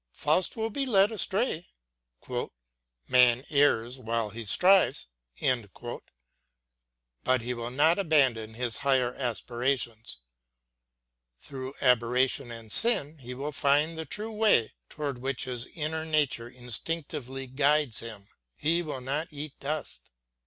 Faust will be led astray "man errs while he strives"; but he will not abandon his higher aspirations; through aberration and sin he will find the true way toward which his inner nature instinctively guides him. He will not eat dust.